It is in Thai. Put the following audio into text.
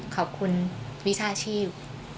ขอบคุณวิชาชีพ